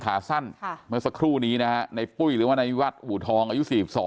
ขาสั้นเมื่อสักครู่นี้นะฮะในปุ้ยหรือว่าในวัดอูทองอายุ๔๒